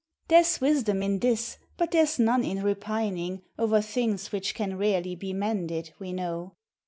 There's wisdom in this, but there's none in re pining O'er things which can rarely be mended, we know.